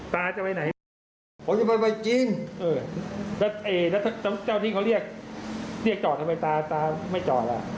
เรียกจ่อทำไมตาไม่จ่อเรียกต้นไหนครับ